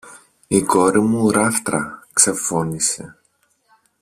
Η κόρη μου ράφτρα! ξεφώνισε.